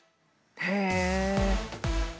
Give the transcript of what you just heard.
へえ！